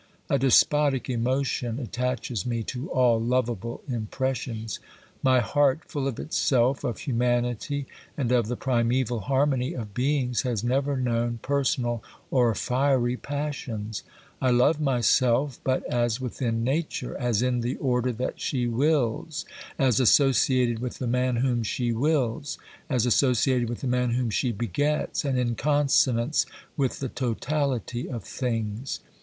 A despotic emotion attaches me to all lovable impressions ; my heart, full of itself, of humanity and of the primeval harmony of beings, has never known personal or fiery passions. I love myself, but as within Nature, as in the order that she wills, as associated with the man whom she wills, as associated with the man whom she begets, and in consonance with the totality of things.